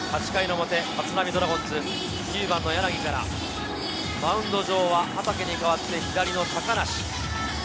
８回の表、立浪ドラゴンズ、９番の柳からマウンド上は畠に代わって左の高梨。